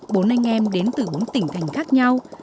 bốn anh em đến từ bốn tỉnh thành khác nhau